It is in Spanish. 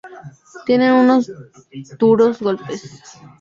Tiene unos duros golpes de thrash y algunas cosas de sonido oscuro bastante geniales.